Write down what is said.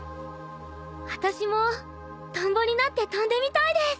あたしもトンボになって飛んでみたいです。